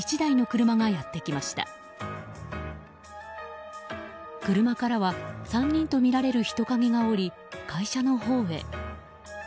車からは３人とみらえる人影が降り会社のほうへ。